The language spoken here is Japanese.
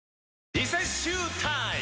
リセッシュータイム！